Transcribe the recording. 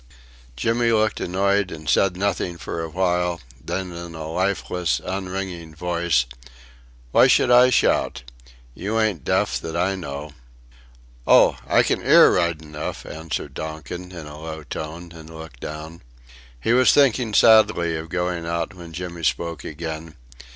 Jimmy looked annoyed and said nothing for a while; then in a lifeless, unringing voice: "Why should I shout? You ain't deaf that I know." "Oh! I can 'ear right enough," answered Donkin in a low tone, and looked down. He was thinking sadly of going out when Jimmy spoke again.